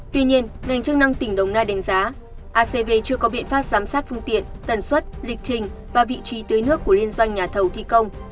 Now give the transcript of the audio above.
tuy nhiên ngành chức năng tỉnh đồng nai đánh giá acv chưa có biện pháp giám sát phương tiện tần suất lịch trình và vị trí tưới nước của liên doanh nhà thầu thi công